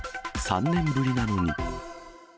３年ぶりなのに。